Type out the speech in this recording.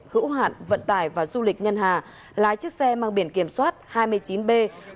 hữu hạn vận tải và du lịch nhân hà lái chiếc xe mang biển kiểm soát hai mươi chín b sáu mươi chín